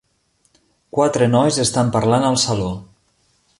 Quatre nois estan parlant al saló.